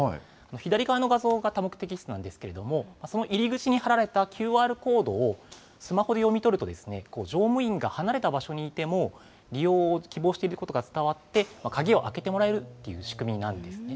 左側の画像が多目的室なんですけれども、その入り口に貼られたＱＲコードをスマホで読み取ると、乗務員が離れた場所にいても、利用を希望していることが伝わって、鍵を開けてもらえるという仕組みなんですね。